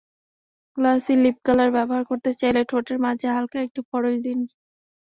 Glossy lipcolour ব্যবহার করতে চাইলে ঠোঁটের মাঝে হালকা একটু পরশ দিন।